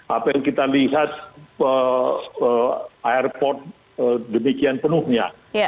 apa yang kita lihat airport demikian penuhnya